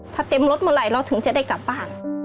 ถ้าเต็มรถเมื่อไหร่เราถึงจะได้กลับบ้าน